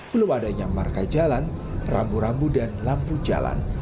belum adanya marka jalan rambu rambu dan lampu jalan